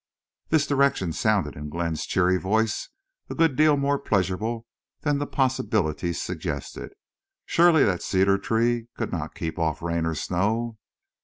This direction sounded in Glenn's cheery voice a good deal more pleasurable than the possibilities suggested. Surely that cedar tree could not keep off rain or snow.